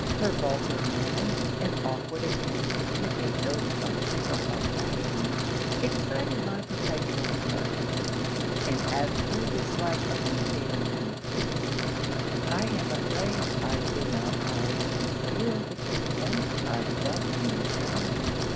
Her vulgar manners, and awkward attempts to imitate those of people of fashion, excited my perpetual mirth; and as her dislike of me daily encreased, I am afraid I did not always conceal the contempt I felt in return.